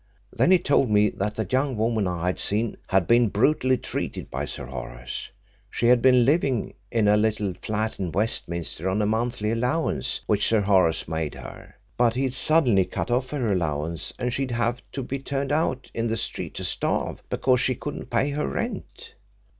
Then he told me that the young woman I had seen had been brutally treated by Sir Horace. She had been living in a little flat in Westminster on a monthly allowance which Sir Horace made her, but he'd suddenly cut off her allowance and she'd have to be turned out in the street to starve because she couldn't pay her rent.